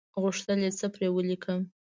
غوښتل یې څه پر ولیکم.